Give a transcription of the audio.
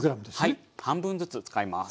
はい半分ずつ使います。